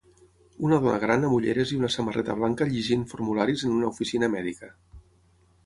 Una dona gran amb ulleres i una samarreta blanca llegint formularis en una oficina mèdica.